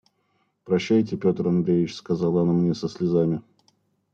«Прощайте, Петр Андреич! – сказала она мне со слезами.